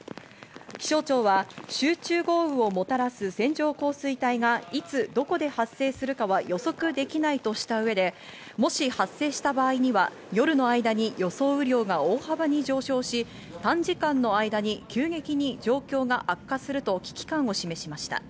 気象庁は集中豪雨をもたらす線状降水帯がいつどこで発生するかは予測できないとしたうえで、もし発生した場合には、夜の間に予想量が大幅に上昇し、短時間の間に急激に状況が悪化すると危機感を示しました。